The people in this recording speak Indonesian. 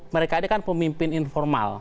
mereka ini kan pemimpin informal